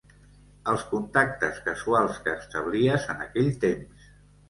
Els contactes casuals que establies en aquell temps